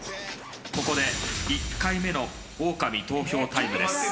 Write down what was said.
ここで１回目のオオカミ投票タイムです。